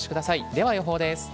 では予報です。